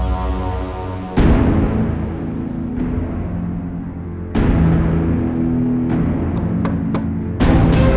harus kaget dia keluar sana